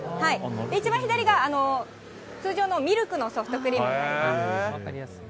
一番左が通常のミルクのソフトクリームになってます。